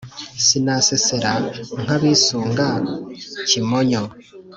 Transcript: Sinasesera nk' abisunga Kimonyo !